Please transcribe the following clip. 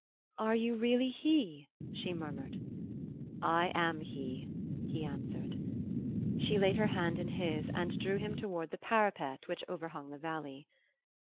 "Are you really he?" she murmured. "I am he," he answered. She laid her hand in his and drew him toward the parapet which overhung the valley.